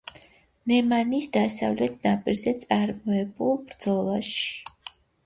ნემანის დასავლეთ ნაპირზე წარმოებულ ბრძოლაში.